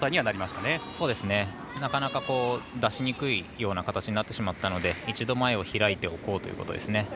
なかなか出しにくい形になってしまったので一度、前を開いておこうということですね。